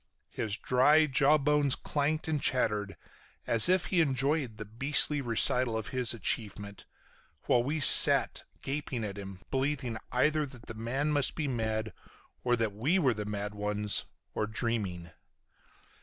His dry jaw bones clanked and chattered as if he enjoyed the beastly recital of his achievement, while we sat gaping at him, believing either that the man must be mad, or that we were the mad ones, or dreaming.